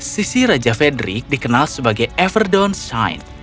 sisi raja frederick dikenal sebagai everdawn shine